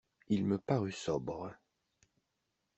Il me parut sombre.